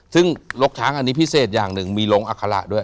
ซึ่งรกช้างอันนี้พิเศษอย่างหนึ่งมีลงอัคระด้วย